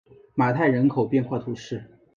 马泰人口变化图示